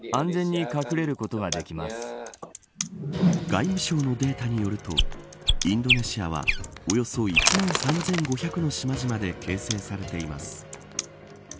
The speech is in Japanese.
外務省のデータによるとインドネシアはおよそ１万３５００の島々で形成されています。